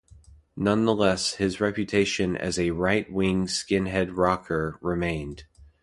Nonetheless, his reputation as a "right-wing skinhead rocker" remained.